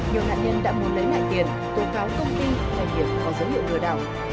nhiều hạt nhân đã mua lấy ngại tiền tố cáo công ty ngại kiểm và dấu hiệu lừa đảo